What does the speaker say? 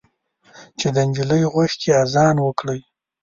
چې د نجلۍ غوږ کې اذان وکړئ